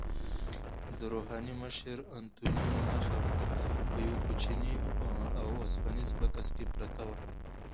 د روحاني مشر انتوني نخښه په یوه کوچني اوسپنیز بکس کې پرته وه.